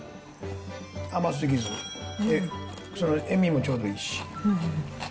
甘すぎず、塩味もちょうどいいし。